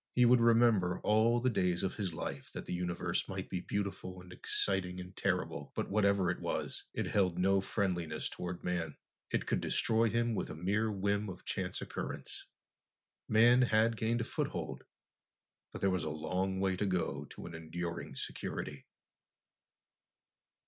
He would remember all the days of his life that the universe might be beautiful and exciting and terrible, but whatever it was, it held no friendliness toward man. It could destroy him with a mere whim of chance occurrence. Man had gained a foothold, but there was a long way to go to an enduring security.